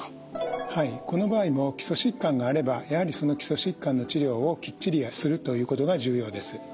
はいこの場合も基礎疾患があればやはりその基礎疾患の治療をきっちりするということが重要です。